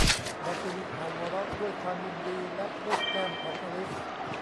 ราชินีขาวหัวเราะด้วยความยินดี และลูบแก้มของอลิซ